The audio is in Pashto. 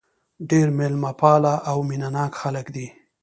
ډېر مېلمه پاله او مینه ناک خلک دي.